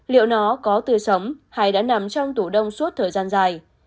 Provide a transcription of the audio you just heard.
liệu nó có từ sống hay đã nằm trong tủ đông suốt thời gian dài